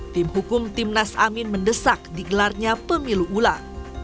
tim hukum timnas amin mendesak digelarnya pemilu ulang